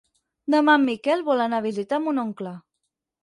Demà en Miquel vol anar a visitar mon oncle.